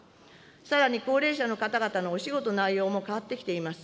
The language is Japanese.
さらに高齢者の方々のお仕事の内容も変わってきています。